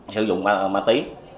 sử dụng ma tí